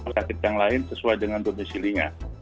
sakit yang lain sesuai dengan domesilinya